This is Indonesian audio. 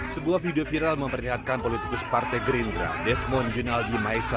sebuah video viral memperlihatkan politikus partai gerindra desmond junaldi maisa